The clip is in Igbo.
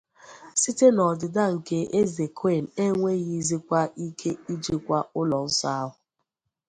Site na ọdịda nke eze Qing, enweghị zikwa ike ijikwa ụlọ nsọ ahụ.